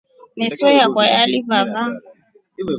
Meso yakwa yalivava.